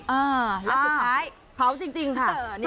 เออแล้วสุดท้ายเผาจริงค่ะ